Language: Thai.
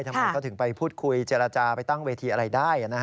ทำไมเขาถึงไปพูดคุยเจรจาไปตั้งเวทีอะไรได้